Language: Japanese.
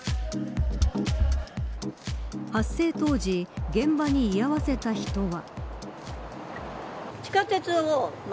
発生当時現場に居合わせた人は。